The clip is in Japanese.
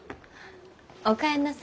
お帰りなさい。